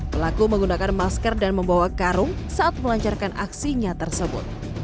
pelaku menggunakan masker dan memakai sepeda motor